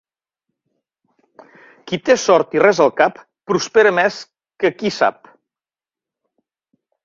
Qui té sort i res al cap, prospera més que qui sap.